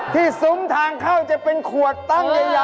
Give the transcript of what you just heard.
ซุ้มทางเข้าจะเป็นขวดตั้งใหญ่